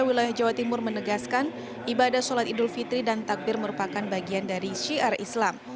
wilayah jawa timur menegaskan ibadah sholat idul fitri dan takbir merupakan bagian dari syiar islam